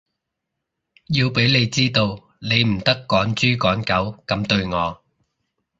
要畀你知道，你唔得趕豬趕狗噉對我